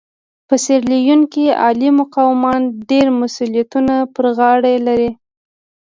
په سیریلیون کې عالي مقامان ډېر مسوولیتونه پر غاړه لري.